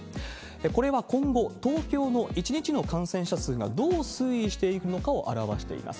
これは今後、東京の１日の感染者数がどう推移しているのかを表しています。